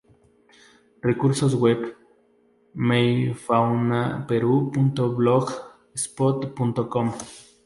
Recursos web: meiofaunaperu.blogspot.com